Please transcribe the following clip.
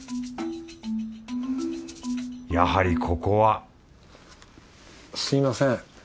やはりここはすみません。